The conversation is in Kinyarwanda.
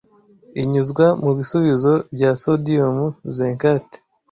inyuzwa mubisubizo bya sodium zincate